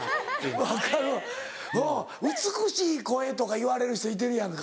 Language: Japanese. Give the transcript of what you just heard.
分かる美しい声とかいわれる人いてるやんか。